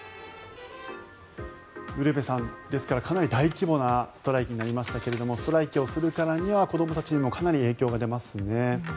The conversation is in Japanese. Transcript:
ウルヴェさん、ですからかなり大規模なストライキになりましたがストライキをするからには子どもたちにもかなり影響が出ますね。